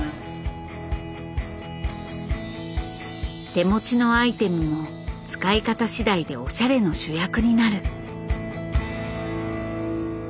手持ちのアイテムも使い方次第でおしゃれの主役になる。